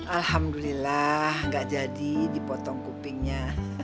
alhamdulillah gak jadi dipotong kupingnya